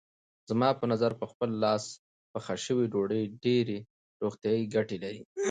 زما په نظر په خپل لاس پخه شوې ډوډۍ ډېرې روغتیايي ګټې لري.